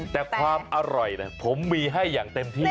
แต่ความอร่อยผมมีให้อย่างเต็มที่